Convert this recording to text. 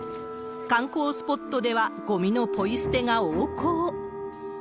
観光スポットではごみのポイ捨てが横行。